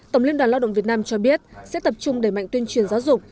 tổng liên đoàn lao động việt nam cho biết sẽ tập trung đẩy mạnh tuyên truyền giáo dục